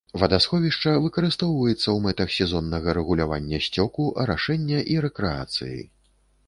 Вадасховішча выкарыстоўваецца ў мэтах сезоннага рэгулявання сцёку, арашэння і рэкрэацыі.